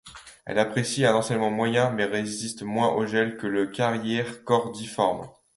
Elle apprécie un ensoleillement moyen mais résiste moins au gel que le caryer cordiforme.